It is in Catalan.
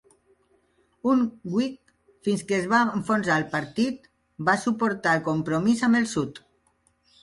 Un Whig fins que es va enfonsar el partit, va suportar el compromís amb el sud.